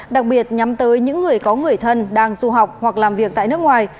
đặc biệt nhắm tới những người có người thân đang du học hoặc làm việc tại nước ngoài